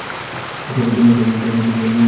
সৌভাগ্যের দুনিয়ায় স্বাগতম।